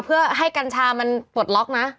เพื่อให้กัญชามันปลดล็อกนะ